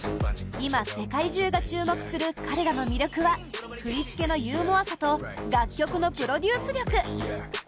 今、世界中が注目する彼らの魅力は振り付けのユーモアさと楽曲のプロデュース力